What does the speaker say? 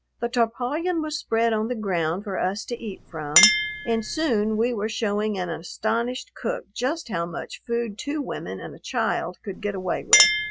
The tarpaulin was spread on the ground for us to eat from, and soon we were showing an astonished cook just how much food two women and a child could get away with.